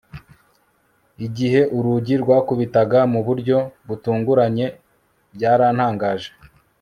igihe urugi rwakubitaga mu buryo butunguranye, byarantangaje